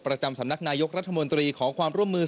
ประจำสำนักนายกรัฐมนตรีขอความร่วมมือ